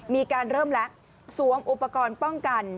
มีการเริ่มแล้วสวมอุปกรณ์ป้องกัน